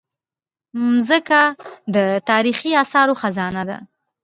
مځکه د تاریخي اثارو خزانه ده.